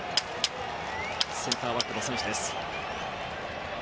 センターバックの選手です。